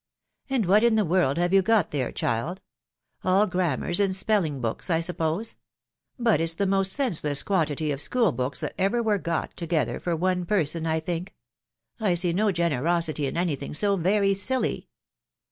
" And what in the world have you got there, child ? All grammars and spelling books, I suppose ;.... but it's the most senseless quantity of school books that ever were got together for one person, I think. ... I see no generosity in any thing so very silly."